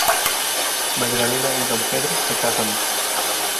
Magdalena y Don Pero se casan.